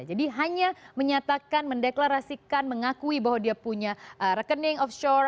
jadi hanya menyatakan mendeklarasikan mengakui bahwa dia punya rekening offshore